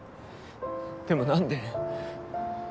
でも何で？